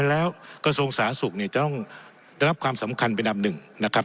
แล้วกระทรวงสาธารณสุขเนี่ยจะต้องได้รับความสำคัญเป็นอันดับหนึ่งนะครับ